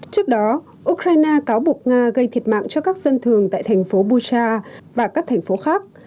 trước đó ukraine cáo buộc nga gây thiệt mạng cho các dân thường tại thành phố bucha và các thành phố khác